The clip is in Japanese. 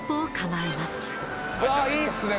わあいいっすね